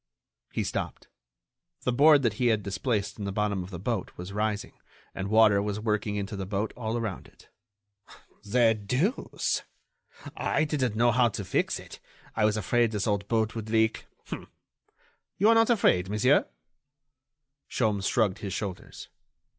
He stopped. The board that he had displaced in the bottom of the boat was rising and water was working into the boat all around it. "The deuce! I didn't know how to fix it. I was afraid this old boat would leak. You are not afraid, monsieur?" Sholmes shrugged his shoulders.